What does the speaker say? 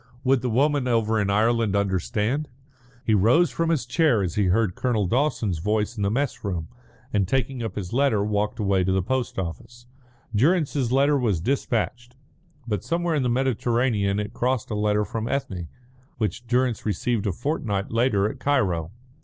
Would the woman over in Ireland understand? He rose from his chair as he heard Colonel Dawson's voice in the mess room, and taking up his letter, walked away to the post office. Durrance's letter was despatched, but somewhere in the Mediterranean it crossed a letter from Ethne, which Durrance received a fortnight later at Cairo.